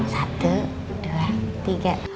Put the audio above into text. satu dua tiga